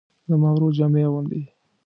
زما ورور جامې اغوندي